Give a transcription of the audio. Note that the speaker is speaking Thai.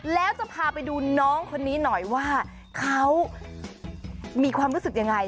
แล้วจะพาไปดูน้องคนนี้หน่อยว่าเขามีความรู้สึกยังไง